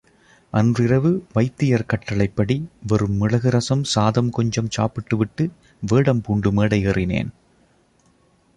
அன்றிரவு வைத்தியர் கட்டளைப்படி வெறும் மிளகு ரசம் சாதம் கொஞ்சம் சாப்பிட்டுவிட்டு, வேடம் பூண்டு மேடை ஏறினேன்.